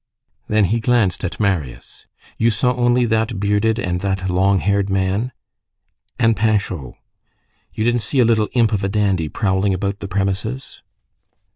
Then he glanced at Marius. "You saw only that bearded and that long haired man?" "And Panchaud." "You didn't see a little imp of a dandy prowling about the premises?"